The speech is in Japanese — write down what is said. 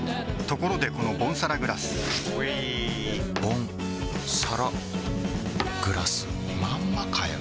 ところでこのボンサラグラスうぃボンサラグラスまんまかよ